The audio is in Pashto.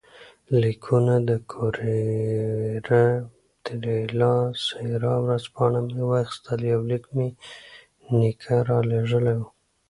لیکونه او کوریره ډیلا سیرا ورځپاڼه مې واخیستل، یو لیک مې نیکه رالېږلی وو.